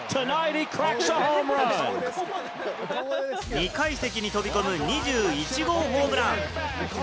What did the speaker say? ２階席に飛び込む２１号ホームラン。